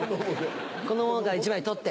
この者から１枚取って。